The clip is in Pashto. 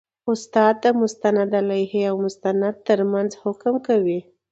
اِسناد د مسندالیه او مسند تر منځ حکم کوي.